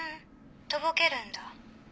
とぼけるんだ？